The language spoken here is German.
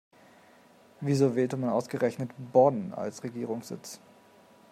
Wieso wählte man ausgerechnet Bonn als Regierungssitz?